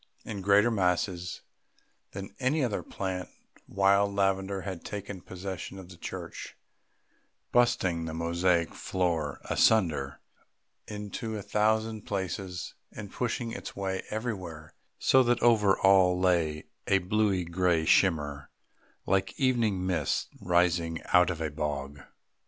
In greater masses than any other plant, wild lavender had taken possession of the church, bursting the mosaic floor asunder in a thousand places and pushing its way everywhere, so that over all lay a bluey grey shimmer like evening mists rising out of a bog.